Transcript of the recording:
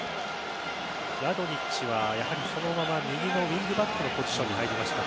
ラドニッチはそのまま右のウィングバックのポジションに入りました。